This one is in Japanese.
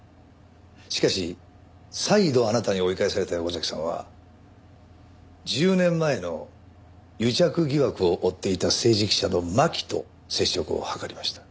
しかし再度あなたに追い返された横崎さんは１０年前の癒着疑惑を追っていた政治記者の巻と接触を図りました。